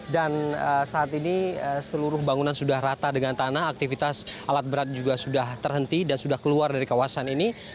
dan saat ini seluruh bangunan sudah rata dengan tanah aktivitas alat berat juga sudah terhenti dan sudah keluar dari kawasan ini